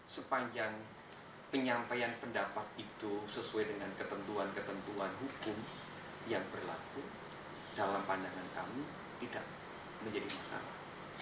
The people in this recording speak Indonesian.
sepanjang penyampaian pendapat itu sesuai dengan ketentuan ketentuan hukum yang berlaku dalam pandangan kami tidak menjadi masalah